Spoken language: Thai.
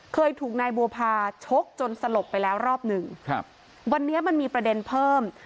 เคยถูกนายบัวพาชกจนสลบไปแล้วรอบหนึ่งครับวันนี้มันมีประเด็นเพิ่ม